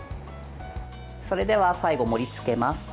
それでは最後、盛りつけます。